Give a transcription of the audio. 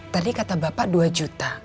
tadi kata bapak dua juta